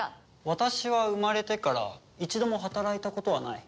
私は生まれてから一度も働いたことはない。